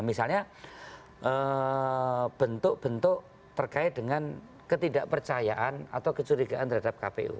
misalnya bentuk bentuk terkait dengan ketidakpercayaan atau kecurigaan terhadap kpu